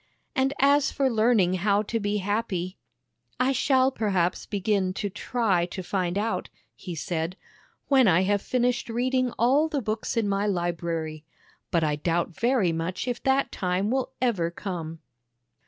And as for learning how to be happy, " I shall perhaps begin to try to find out," he said, " when I have finished reading all the books in my library; but I doubt very much if that time will ever come."